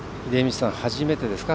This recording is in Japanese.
初めてですか？